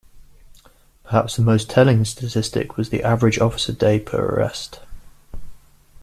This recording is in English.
Perhaps the most telling statistic was the 'average officer day per arrest'.